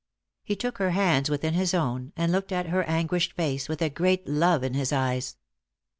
He took her hands within his own, and looked at her anguished face with a great love in his eyes.